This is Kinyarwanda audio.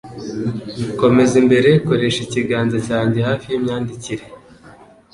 Komeza imbere, koresha ikiganza cyanjye hafi yimyandikire.